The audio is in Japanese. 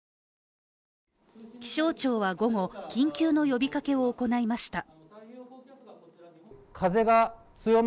気象庁は午後、緊急の呼びかけを行いました。